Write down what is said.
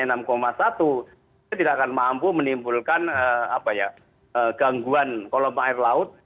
itu tidak akan mampu menimbulkan gangguan kolom air laut